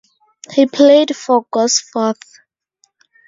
He played for Gosforth.